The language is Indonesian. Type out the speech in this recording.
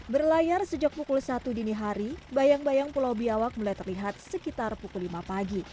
berlayar sejak pukul satu dini hari bayang bayang pulau biawak mulai terlihat sekitar pukul lima pagi